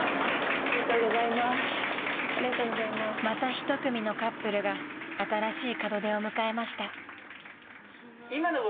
［また１組のカップルが新しい門出を迎えました］